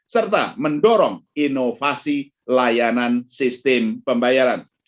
serta mendorong inovasi layanan sistem pembayaran